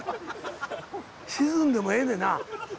沈んでもええねんな？